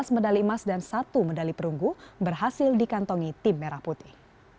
tiga belas medali emas dan satu medali perunggu berhasil dikantongi tim merah putih